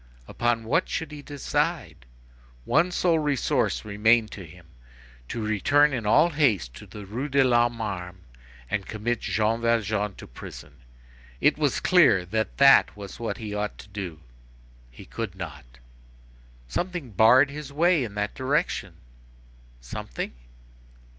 Upon what should he decide? One sole resource remained to him; to return in all haste to the Rue de l'Homme Armé, and commit Jean Valjean to prison. It was clear that that was what he ought to do. He could not. Something barred his way in that direction. Something?